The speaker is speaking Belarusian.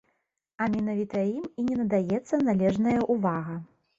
А менавіта ім і не надаецца належнае ўвага.